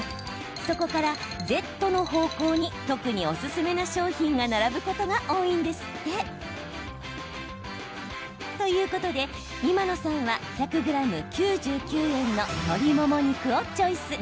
そこからＺの方向に特におすすめな商品が並ぶことが多いんですって。ということで今野さんは１００ｇ、９９円の鶏もも肉をチョイス。